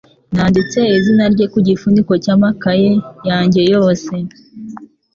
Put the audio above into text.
Nanditse izina ryanjye ku gifuniko cy'amakaye yanjye yose.